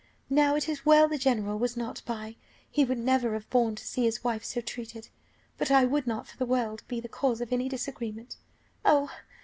Now, it is well the general was not by; he would never have borne to see his wife so treated. But I would not, for the world, be the cause of any disagreement. Oh!